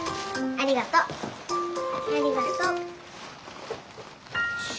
ありがと。